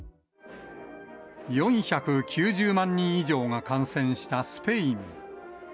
４９０万人以上が感染したスペイン。